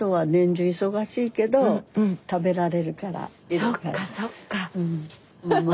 そっかそっか。